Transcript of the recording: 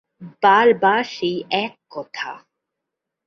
বার বার সেই এক কথা।